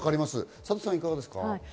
サトさんはいかがですか？